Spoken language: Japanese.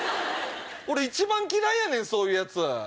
俺一番嫌いやねんそういう奴。